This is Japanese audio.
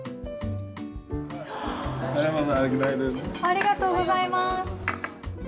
ありがとうございます！